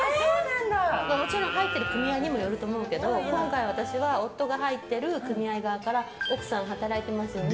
入っている組合にもよると思うんだけど今回、私は夫が入っている組合側から奥さん、働いてますよね？